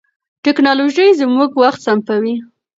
ټیکنالوژي زموږ وخت سپموي.